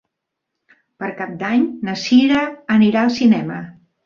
Per Cap d'Any na Cira anirà al cinema.